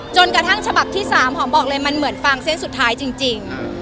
จนกระทั่งฉบับที่๓หอมบอกเลยมันเหมือนฟางเส้นสุดท้ายจริง